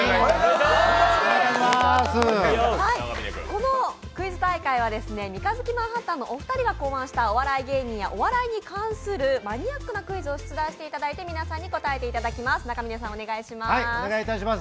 このクイズ大会は三日月マンハッタンのお二人が発明したお笑い芸人やお笑いに関するマニアックなクイズを出題していただいて皆さんに答えていただきます。